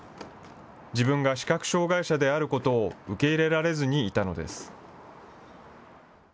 自分が視覚障害者であることを受け入れられずにいたのです。